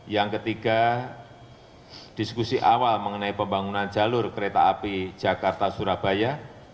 yang ketiga diskusi awal mengenai pembangunan jalur kereta api jakarta surabaya